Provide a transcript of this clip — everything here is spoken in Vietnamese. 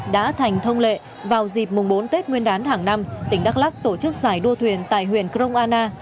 đã thành thông lệ vào dịp mùng bốn tết nguyên đán tháng năm tỉnh đắk lắc tổ chức giải đua thuyền tại huyện kronana